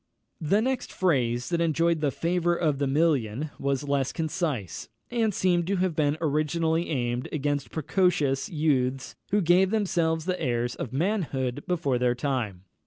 The next phrase that enjoyed the favour of the million was less concise, and seems to have been originally aimed against precocious youths who gave themselves the airs of manhood before their time.